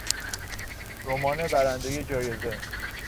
رمان برندهی جایزه